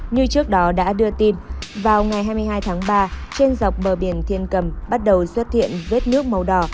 như trước đó đã đưa tin vào ngày hai mươi hai tháng ba trên dọc bờ biển thiên cầm bắt đầu xuất hiện vết nước màu đỏ